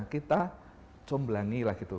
kita cembelangi lah gitu